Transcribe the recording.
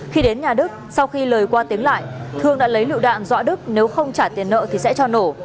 khi đến nhà đức sau khi lời qua tiếng lại thương đã lấy lựu đạn dọa đức nếu không trả tiền nợ thì sẽ cho nổ